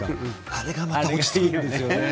あれがまた落ち着くんですよね。